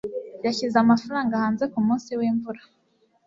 Yashyize amafaranga hanze kumunsi wimvura.